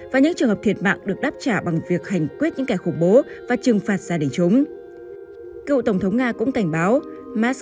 và những trường hợp thiệt mạng được đáp trả bằng việc hành quyết những kẻ khủng bố